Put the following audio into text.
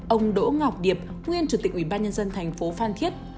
ông đỗ ngọc điệp nguyên chủ tịch ủy ban nhân dân thành phố phan thiết